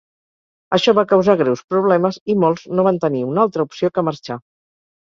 Això va causar greus problemes i molts no van tenir una altra opció que marxar.